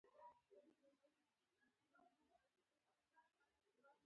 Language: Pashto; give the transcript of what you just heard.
برېښنایي امواج بې سیمه خپرېږي.